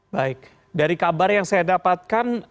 baik dari kabar yang saya dapatkan